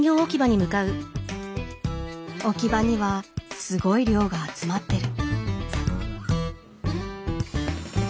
置き場にはすごい量が集まってる。